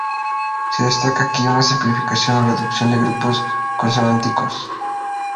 Se destaca aquí una simplificación o reducción de grupos consonánticos.